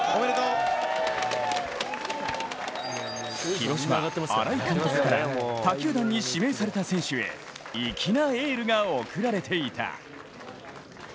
広島・新井監督から他球団に指名された選手へ粋なエールが送られていた。